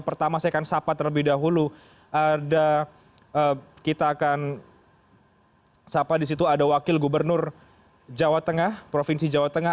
pertama saya akan sapa terlebih dahulu ada wakil gubernur provinsi jawa tengah